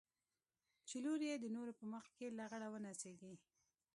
چې لور يې د نورو په مخ کښې لغړه ونڅېږي.